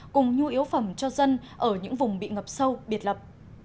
cùng nhu yếu phẩm cho dân ở những vùng bị ngập sâu biệt lập